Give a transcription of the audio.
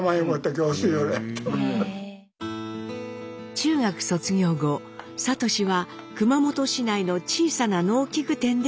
中学卒業後智は熊本市内の小さな農機具店で働き始めます。